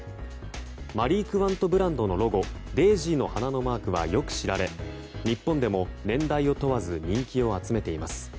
マリー・クワントブランドのロゴデージーの花のマークはよく知られ日本でも年代を問わず人気を集めています。